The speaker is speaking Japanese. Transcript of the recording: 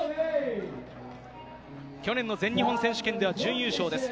去年の全日本選手権では準優勝です。